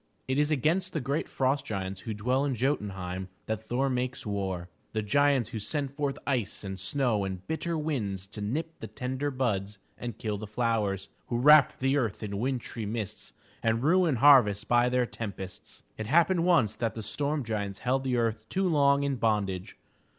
It is against the great frost giants who dwell in Jo'tun heim that Thor makes war — the giants who send forth ice and snow and bitter winds to nip the tender buds and kill the flowers; who wrap the earth in wintry mists and ruin harvests by their tempests. It happened once that the storm giants held the earth too long in bondage.